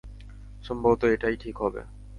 সম্ভবত এটাই ঠিক হবে।